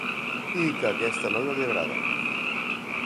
I que aquesta noia li agrada.